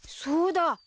そうだ！